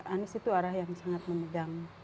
anies itu orang yang sangat menegang